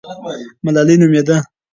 ملالۍ نومېده.